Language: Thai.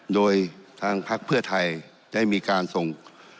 โดยทางพักเพื่อไทยได้มีการส่ง